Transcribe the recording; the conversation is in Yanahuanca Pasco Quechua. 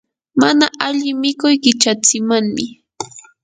mana alli mikuy qichatsimanmi.